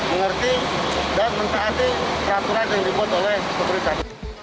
mengerti dan mentaati peraturan yang dibuat oleh pemerintah